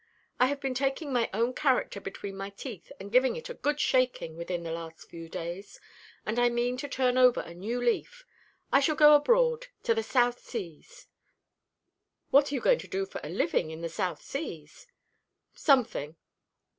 I have been taking my own character between my teeth and giving it a good shaking within the last few days, and I mean to turn over a new leaf. I shall go abroad to the South Seas." "What are you to do for a living in the South Seas?" "Something.